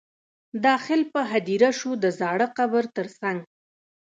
داخل په هدیره شو د زاړه قبر تر څنګ.